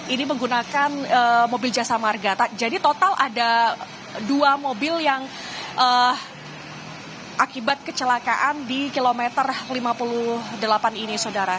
ini menggunakan mobil jasa marga jadi total ada dua mobil yang akibat kecelakaan di kilometer lima puluh delapan ini saudara